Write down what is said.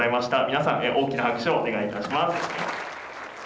皆さん大きな拍手をお願いいたしします。